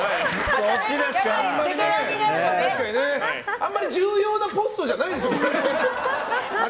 あまり重要なポストじゃないでしょ？